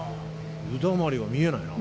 湯だまりは見えないな。